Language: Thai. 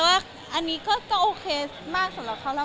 ว่าอันนี้ก็โอเคมากสำหรับเขาแล้ว